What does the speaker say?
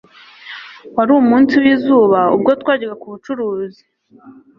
Wari umunsi wizuba ubwo twajyaga kubucuruzi